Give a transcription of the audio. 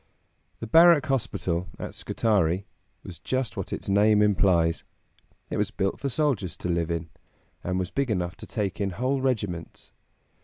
The Barrack Hospital at Scutari was just what its name implies. It was built for soldiers to live in, and was big enough to take in whole regiments.